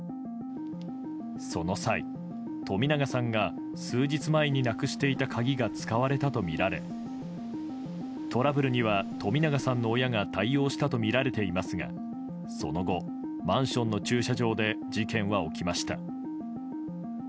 その際、冨永さんが数日前になくしていた鍵が使われたとみられトラブルには冨永さんの親が対応したとみられていますがその後、マンションの駐車場で事件は起きました。